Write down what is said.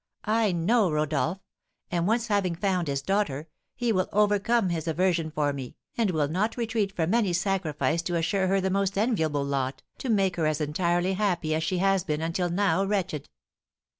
I know Rodolph; and once having found his daughter, he will overcome his aversion for me, and will not retreat from any sacrifice to assure her the most enviable lot, to make her as entirely happy as she has been until now wretched."